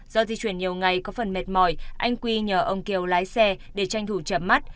do di chuyển nhiều ngày có phần mệt mỏi anh quy nhờ ông kiều lái xe để tranh thủ chậm mắt